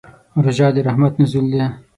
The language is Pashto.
روژه د رحمت نزول دی.